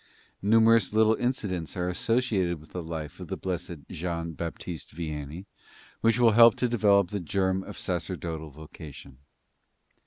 Numerous little incidents are associated with the life of Blessed Jean Baptist Vianney, which will help to develop the germ of sacerdotal vocation.